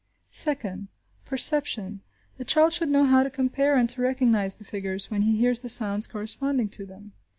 Second. Perception. The child should know how to compare and to recognise the figures, when he hears the sounds corresponding to them.